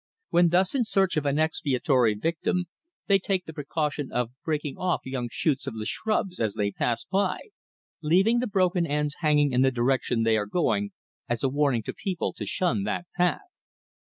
When thus in search of an expiatory victim, they take the precaution of breaking off young shoots of the shrubs as they pass by, leaving the broken ends hanging in the direction they are going as a warning to people to shun that path.